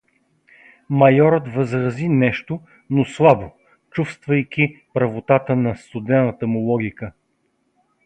Майорът възрази нещо, но слабо, чувствувайки правотата на студената му логика.